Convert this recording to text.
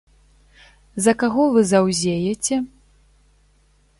За каго вы заўзееце?